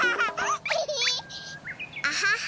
アハハ。